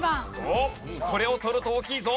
これを取ると大きいぞ！